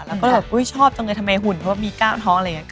แล้วก็แบบอุ๊ยชอบจังเลยทำไมหุ่นเพราะว่ามี๙ท้องอะไรอย่างนี้